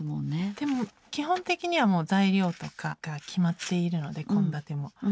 でも基本的にはもう材料とかが決まっているので献立も。